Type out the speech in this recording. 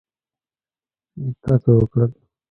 تا څه وکړل؟